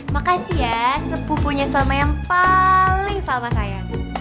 makasih ya sepupunya selama yang paling selama sayang